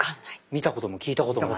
見たことも聞いたこともない。